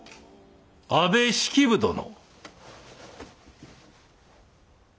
安部式部殿。